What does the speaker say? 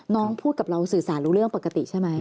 พูดกับเราสื่อสารรู้เรื่องปกติใช่ไหม